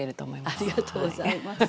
ありがとうございます。